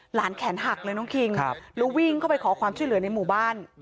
แขนหักเลยน้องคิงแล้ววิ่งเข้าไปขอความช่วยเหลือในหมู่บ้าน